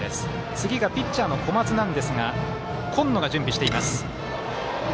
次がピッチャーの小松なんですが今野が準備しています。